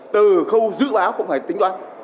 từ khâu dự báo cũng phải tính toán